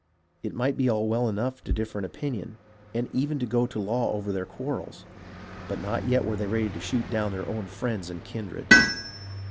It might be all well enough to differ in opinion, and even to go to law over their quarrels, but not yet were they ready to shoot down their own friends and kindred.